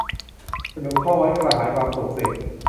สนุกเข้าไว้ กระหายความสุขสิ